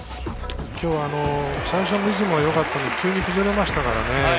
最初のリズムはよかったのに、急に崩れましたからね。